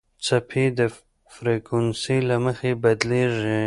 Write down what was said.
څپې د فریکونسۍ له مخې بدلېږي.